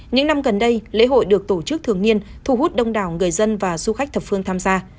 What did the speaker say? những năm gần đây lễ hội được tổ chức thường niên thu hút đông đảo người dân và du khách thập phương tham gia